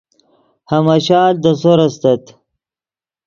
ہماشال دے سور استت